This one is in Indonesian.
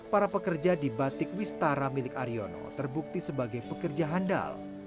para pekerja di batik wistara milik aryono terbukti sebagai pekerja handal